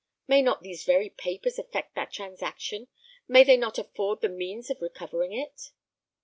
May not these very papers affect that transaction; may they not afford the means of recovering it?"